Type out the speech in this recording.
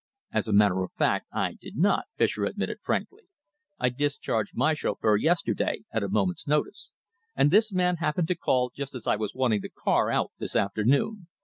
"As a matter of fact, I did not," Fischer admitted frankly. "I discharged my chauffeur yesterday, at a moment's notice, and this man happened to call just as I was wanting the car out this afternoon.